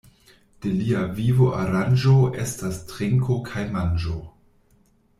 De lia vivo aranĝo estas trinko kaj manĝo.